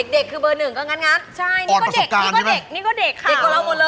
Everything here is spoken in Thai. เสพเพครับ